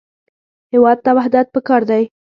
هېواد ته وحدت پکار دی